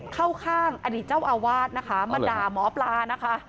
เข้าข้างอดีตเจ้าอาวาสนะคะมาด่าหมอปลานะคะ